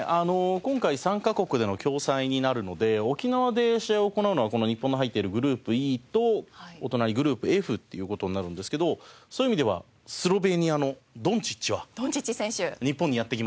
今回３カ国での共催になるので沖縄で試合を行うのはこの日本の入ってるグループＥとお隣グループＦっていう事になるんですけどそういう意味ではスロベニアのドンチッチは日本にやって来ますから。